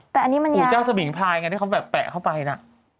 แต่อันนี้มันอยู่เจ้าสมิงพลายไงที่เขาแบบแปะเข้าไปน่ะ